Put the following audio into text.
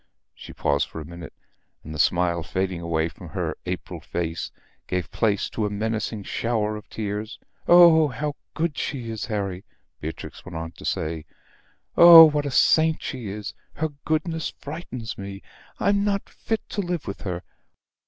She paused for a minute, and the smile fading away from her April face, gave place to a menacing shower of tears; "Oh, how good she is, Harry," Beatrix went on to say. "Oh, what a saint she is! Her goodness frightens me. I'm not fit to live with her.